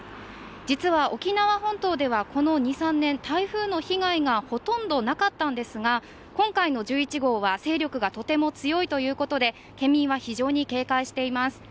実は沖縄本島ではこの２３年、台風の被害がほとんどなかったんですが今回の１１号は勢力がとても強いということで県民は非常に警戒しています。